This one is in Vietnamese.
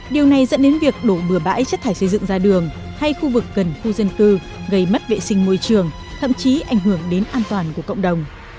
điều này dẫn đến việc đổ bừa bãi chất thải xây dựng ra đường hay khu vực gần khu dân cư gây mất vệ sinh môi trường thậm chí ảnh hưởng đến an toàn của cộng đồng